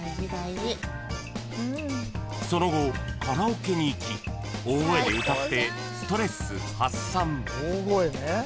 ［その後カラオケに行き大声で歌ってストレス発散］